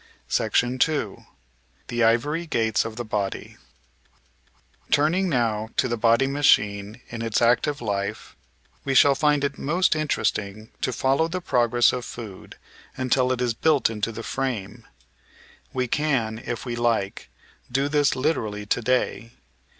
§2 The Ivory Gates of the Body Turning now to the body machine in its active life, we shall find it most interesting to follow the progress of food until it is The Body*Machlne and Its Work 821 built into the frame. We can, if we like, do this literally to day.